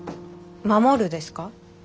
「守る」ですか？